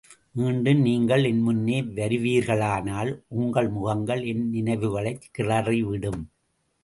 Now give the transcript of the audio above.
மீண்டும் நீங்கள் என்முன்னே வருவீர்களானால், உங்கள் முகங்கள் என் நினைவுகளைக் கிளறிவிடும்.